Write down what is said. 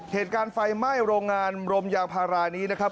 เหตุการณ์ไฟไหม้โรงงานรมยางพารานี้นะครับ